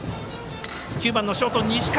９番のショート西川